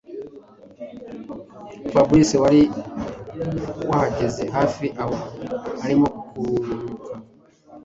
Fabric wari wahagaze hafi aho arimo kurunguruka